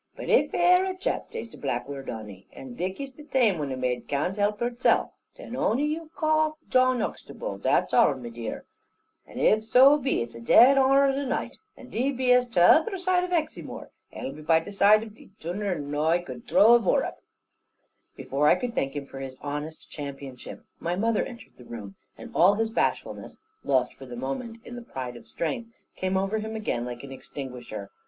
But if ere a chap zays the black word on e and thiccy's the taime when a maid can't help herzell, then ony you karl Jan Uxtable that's arl my dear, and if so be it's in the dead hoor of the naight, and thee beest to tother zaide of Hexymoor, ai'll be by the zaide of thee zooner nor ai could thraw a vorehip." Before I could thank him for his honest championship my mother entered the room, and all his bashfulness (lost for the moment in the pride of strength) came over him again like an extinguisher.